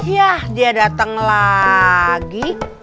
yah dia datang lagi